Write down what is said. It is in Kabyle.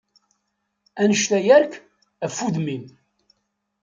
Annect-a yark, af udem-im!